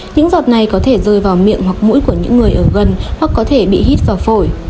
những giọt này có thể rơi vào miệng hoặc mũi của những người ở gần hoặc có thể bị hít vào phổi